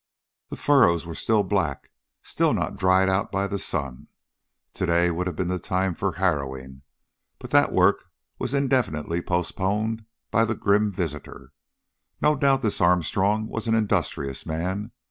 The furrows were still black, still not dried out by the sun. Today would have been the time for harrowing, but that work was indefinitely postponed by the grim visitor. No doubt this Armstrong was an industrious man.